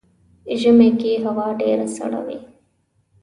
ژمی کې هوا ډیره سړه وي .